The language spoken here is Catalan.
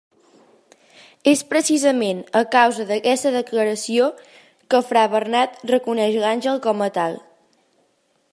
És precisament a causa d'aquesta declaració que fra Bernat reconeix l'àngel com a tal.